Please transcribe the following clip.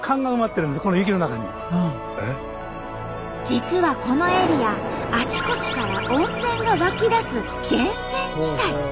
実はこのエリアあちこちから温泉が湧き出す源泉地帯。